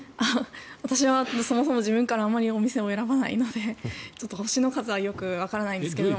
私はそもそも自分からあまりお店を選ばないのでちょっと星の数はよくわからないんですけど。